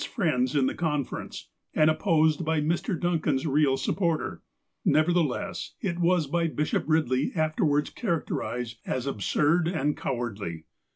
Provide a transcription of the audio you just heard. TROUBLES BREWING 259 friends in the conference, and opposed by Mr. Duncan's real supporter. Nevertheless, it was by Bishop Eidley afterwards char acterized as '' absurd and" cowardly."